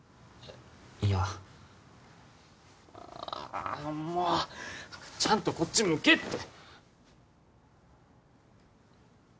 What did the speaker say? いやあもうちゃんとこっち向けって！